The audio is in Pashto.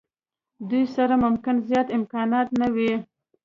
دوی سره ممکن زیات امکانات نه وي.